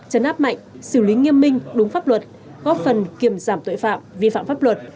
chấn áp mạnh xử lý nghiêm minh đúng pháp luật góp phần kiềm giảm tội phạm vi phạm pháp luật